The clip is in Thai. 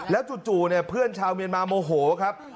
แล้วจู่เนี่ยเพื่อนชาวเมียนมาโมโหครับ